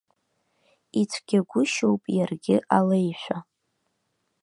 Ицәгьагәышьоуп иаргьы алеишәа.